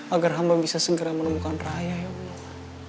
agar hamba bisa segera menemukan raya ya allah